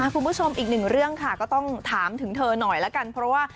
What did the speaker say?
คุณผู้ชมอีกหนึ่งเรื่องค่ะก็ต้องถามถึงเธอหน่อยละกันเพราะว่า